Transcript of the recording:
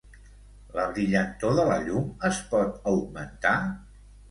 La brillantor de la llum es pot augmentar?